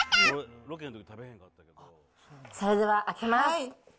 それでは開けます。